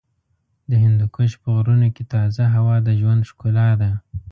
د هندوکش په غرونو کې تازه هوا د ژوند ښکلا ده.